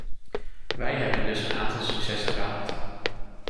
Wij hebben dus een aantal successen behaald.